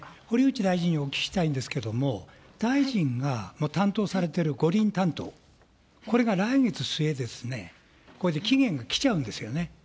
堀内大臣、お聞きしたいんですけれども、大臣が担当されてる五輪担当、これが来月末ですね、これで期限が来ちゃうんですよね。